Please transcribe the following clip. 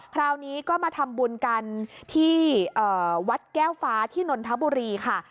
คราวนี้ก็มาทำบุญกันที่วัดแก้วฟ้าที่นนทบุรีค่ะ